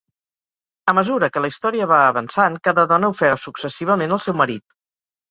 A mesura que la història va avançant, cada dona ofega successivament el seu marit.